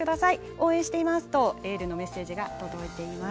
応援していますとエールのメッセージが届いています。